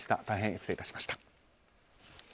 大変失礼致しました。